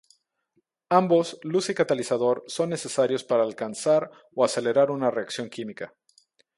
Ambos, luz y catalizador, son necesarios para alcanzar o acelerar una reacción química.